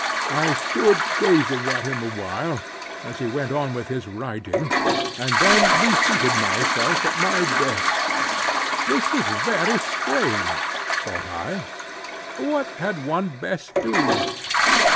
I stood gazing at him awhile, as he went on with his own writing, and then reseated myself at my desk. This is very strange, thought I. What had one best do?